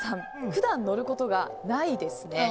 普段、乗ることがないですね。